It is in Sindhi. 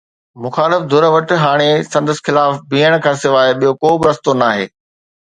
مخالف ڌر وٽ هاڻي سندس خلاف بيهڻ کان سواءِ ٻيو ڪو به رستو ناهي.